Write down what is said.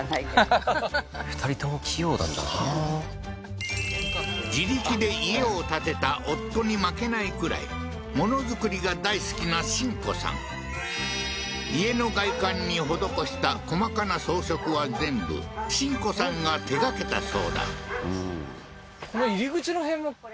２人とも器用なんだな自力で家を建てた夫に負けないくらい物作りが大好きな新子さん家の外観に施した細かな装飾は全部新子さんが手がけたそうだ